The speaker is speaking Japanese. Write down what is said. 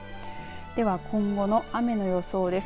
では今後の雨の予想です。